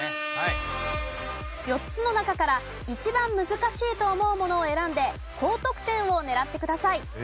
４つの中から一番難しいと思うものを選んで高得点を狙ってください。